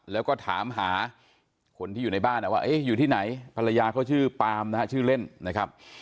แล้วก็ถามหาคนที่อยู่ในบ้านว่าอยู่ที่ไหนภรรยาเขาชื่อปามนะฮะชื่อเล่นนะครับ